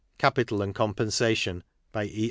Capital and Compensation. By E.